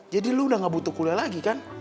jadi lo udah nggak butuh kuliah lagi kan